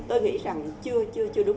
tôi nghĩ rằng chưa chưa chưa